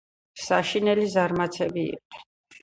საშინელი ზარმაცები იყვნენ.